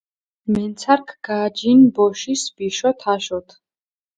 მენცარქ გაჯინჷ ბოშის ვიშოთ, აშოთ.